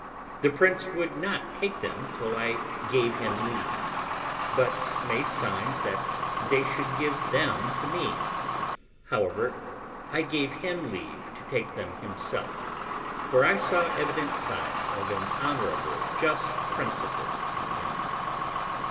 The prince would not take them till I gave him leave, but made signs that they should give them to me; however, I gave him leave to take them himself, for I saw evident signs of an honourable just principle in him.